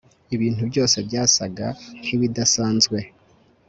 ibintu byose byasaga nkibidasanzwe